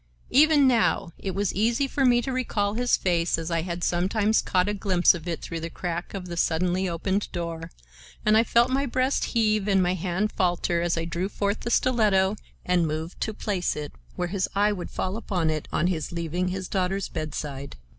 Even now, it was easy for me to recall his face as I had sometimes caught a glimpse of it through the crack of the suddenly opened door, and I felt my breast heave and my hand falter as I drew forth the stiletto and moved to place it where his eye would fall upon it on his leaving his daughter's bedside.